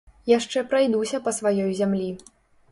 Яшчэ прайдуся па сваёй зямлі.